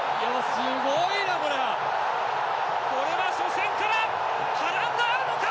これは初戦から波乱があるのか！